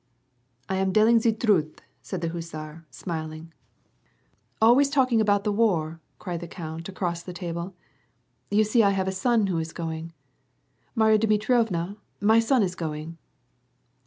" I am delling the driith," said the hussar, smiling. WAR AND PEACE. 75 " Always talking about the war," cried the count, across the table. *' You see I have a son who is going. Marya Dmitri evna, my son is going."